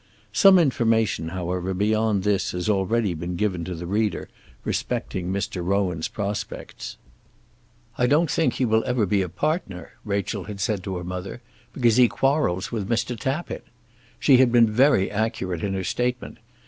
Some information, however, beyond this has already been given to the reader respecting Mr. Rowan's prospects. "I don't think he ever will be a partner," Rachel had said to her mother, "because he quarrels with Mr. Tappitt." She had been very accurate in her statement.